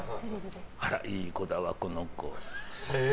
あら、いい子だわ、この子って。